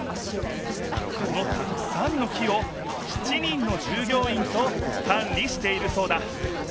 そのたくさんの木を７人のじゅうぎょういんとかん理しているそうだ